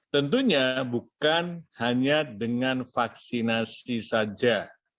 tentunya bukan hanya dengan vaksinasi saja